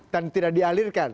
dan tidak dialirkan